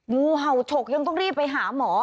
งูเห่าฉกยังต้องรีบไปหาหมอ